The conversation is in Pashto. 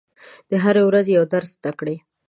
د هرې ورځې یو درس زده کړئ.